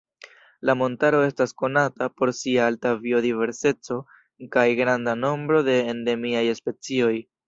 La montaro estas konata por sia alta biodiverseco kaj granda nombro de endemiaj specioj.